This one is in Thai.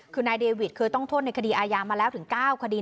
คือนายเดวิทเคยต้องโทษในคดีอายามาแล้วถึง๙คดี